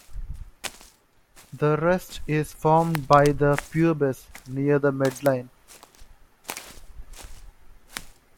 The rest is formed by the pubis, near the midline.